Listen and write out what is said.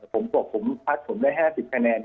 ผมบอกผมพักผมได้๕๐คะแนน